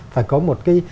phải có một cái